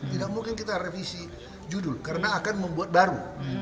tidak mungkin kita revisi judul karena akan membuat baru